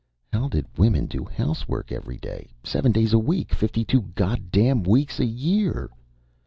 How did women do housework every day, seven days a week, fifty two goddam weeks a year?